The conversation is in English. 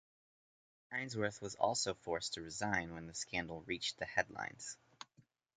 Ainsworth was also forced to resign when the scandal reached the headlines.